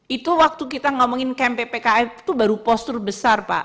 itu waktu kita ngomongin camp ppkm itu baru postur besar pak